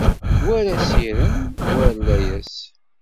War asirem, war layas